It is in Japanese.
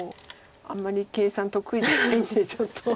あんまり計算得意じゃないんでちょっと。